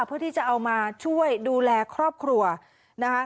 เพื่อที่จะเอามาช่วยดูแลครอบครัวนะคะ